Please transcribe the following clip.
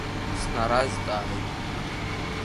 Снаразҵааит.